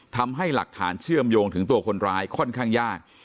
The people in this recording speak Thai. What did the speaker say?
ทำให้หลักฐานเชื่อมโยงถึงตัวคนร้ายค่อนข้างยาก